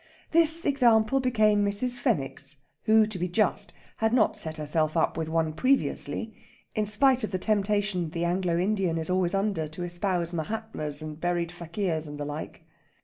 This example became Mrs. Fenwick's; who, to be just, had not set herself up with one previously, in spite of the temptation the Anglo Indian is always under to espouse Mahatmas and buried Faquirs and the like.